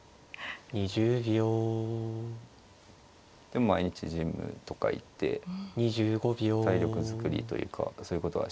で毎日ジムとか行って体力作りというかそういうことは。